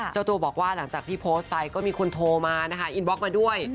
เจ้าตัวบอกว่าหลังจากที่โพสต์ไปก็มีคนโทรมานะคะอินบล็อกมาด้วย